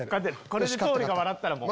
これで桃李が笑ったらもう。